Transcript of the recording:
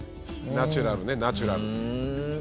「ナチュラルねナチュラル」「ふーん」